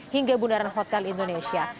hingga bundaran hotel indonesia